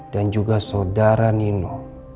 dan juga saudara nino